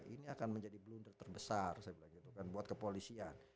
ini akan menjadi blunder terbesar saya bilang gitu kan buat kepolisian